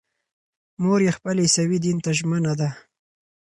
مور یې خپل عیسوي دین ته ژمنه ده.